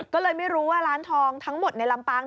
ก็เลยไม่รู้ว่าร้านทองทั้งหมดในลำปาง